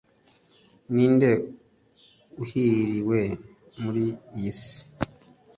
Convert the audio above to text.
Ni inde uhiriwe muri iyi Si